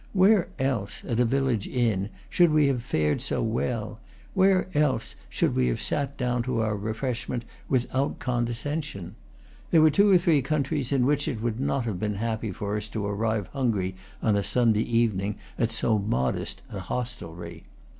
Where else, at a village inn, should we have fared so well? Where else should we have sat down to our refreshment without condescension? There were two or three countries in which it would not have been happy for us to arrive hungry, on a Sunday evening, at so modest an hostelry.